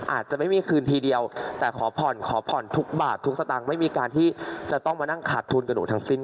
อาจจะไม่มีที่คืนทีเดียวขอผ่อนทุกบาททุกสตางค์ไม่มีการที่จะต้องมาขัดทุนของผมทั้งสิ้น